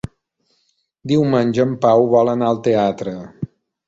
Diumenge en Pau vol anar al teatre.